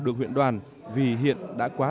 được huyện đoàn vì hiện đã quá